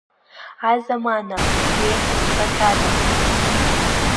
Азамана, еиӷьу збахьада?